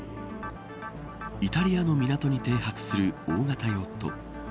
イタリアの港に停泊する大型ヨット。